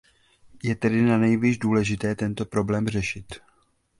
Je tedy nanejvýš důležité tento problém řešit.